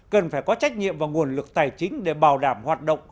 cần phải có trách nhiệm và nguồn lực tài chính để bảo đảm hoạt động